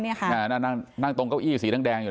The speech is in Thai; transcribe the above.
นั่งตรงเก้าอี้สีดังแดง